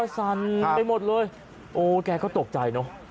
สั่นไปหมดเลยโอ้แกก็ตกใจเนอะ